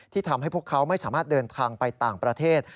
ทำให้พวกเขาไม่สามารถเดินทางไปต่างประเทศ